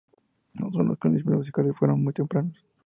Sus conocimientos musicales fueron muy tempranos.